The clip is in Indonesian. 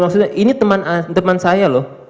maksudnya ini teman saya loh